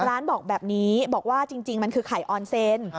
ร้านบอกแบบนี้บอกว่าจริงมันคือไข่ออนเซน